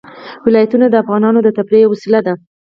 ولایتونه د افغانانو د تفریح یوه وسیله ده.